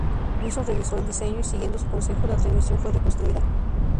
Wilson revisó el diseño y siguiendo su consejo, la transmisión fue reconstruida.